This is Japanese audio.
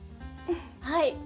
はい。